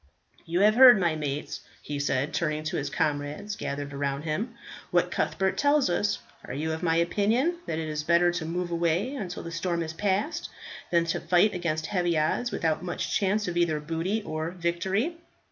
"You have heard, my mates," he said, turning to his comrades gathered around him, "what Cuthbert tells us. Are you of my opinion, that it is better to move away till the storm is past, than to fight against heavy odds, without much chance of either booty or victory?"